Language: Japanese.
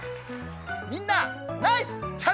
みんなナイスチャレンジ！